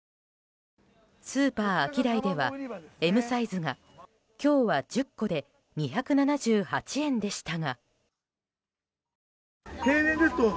スーパーアキダイではＭサイズが今日は１０個で２７８円でしたが。